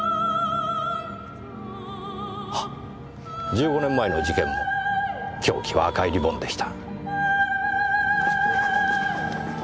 １５年前の事件も凶器は赤いリボンでした。